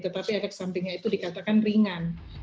tetapi efek sampingnya itu dikatakan ringan